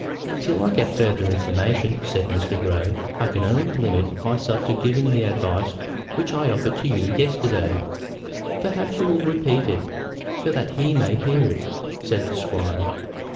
"Till I get farther information," said Mr. Grey, "I can only limit myself to giving the advice which I offered to you yesterday." "Perhaps you will repeat it, so that he may hear it," said the squire.